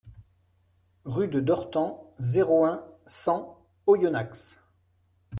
Rue de Dortan, zéro un, cent Oyonnax